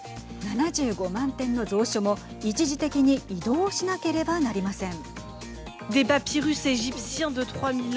７５万点の蔵書も一時的に移動しなければなりません。